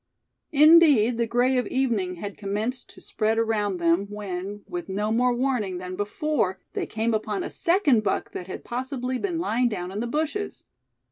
Indeed, the gray of evening had commenced to spread around them when, with no more warning than before, they came upon a second buck that had possibly been lying down in the bushes.